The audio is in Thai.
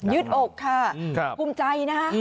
ดอกค่ะภูมิใจนะคะ